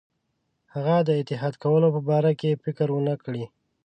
هغه د اتحاد کولو په باره کې فکر ونه کړي.